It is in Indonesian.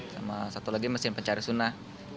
sama satu lagi mesin pencari sunnah